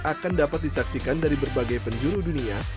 akan dapat disaksikan dari berbagai penjuru dunia